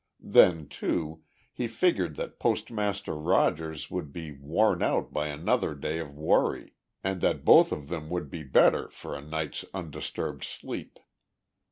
Then, too, he figured that Postmaster Rogers would be worn out by another day of worry and that both of them would be the better for a night's undisturbed sleep.